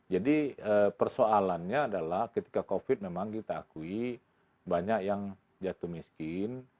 jadi persoalannya adalah ketika covid memang kita akui banyak yang jatuh miskin